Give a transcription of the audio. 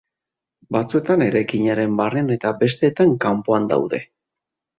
Batzuetan eraikinaren barnean eta besteetan kanpoan daude.